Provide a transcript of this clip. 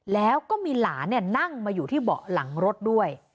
แล้วก็มีหลานนั่งมาอยู่ที่เบาะหลังรถด้วย